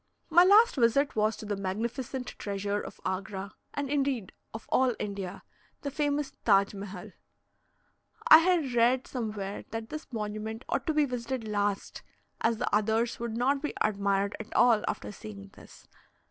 My last visit was to the magnificent treasure of Agra, and, indeed, of all India the famous Taj Mehal. I had read somewhere that this monument ought to be visited last, as the others would not be admired at all after seeing this.